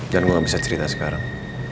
dan gue gak bisa cerita sekarang